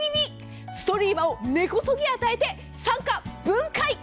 ストリーマを根こそぎ与えて酸化分解！